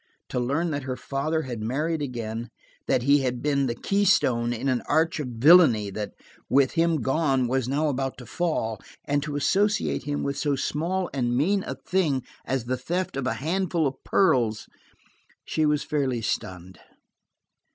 To learn that her father had married again, that he had been the keystone in an arch of villainy that, with him gone, was now about to fall, and to associate him with so small and mean a thing as the theft of a handful of pearls–she was fairly stunned.